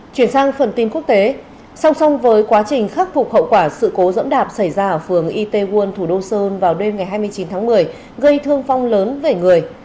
chuyển sang phần tin quốc tế song song với quá trình khắc phục hậu quả sự cố dẫm đạp xảy ra ở phường itewon thủ đô seo vào đêm ngày hai mươi chín tháng một mươi gây thương vong lớn về người